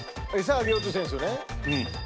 あげようとしてるんですよね